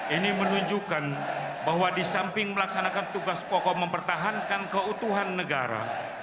ini menunjukkan bahwa di samping melaksanakan tugas pokok mempertahankan keutuhan negara